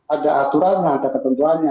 ada aturan ada ketentuannya